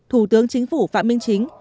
thủ tướng chính phủ phạm minh chính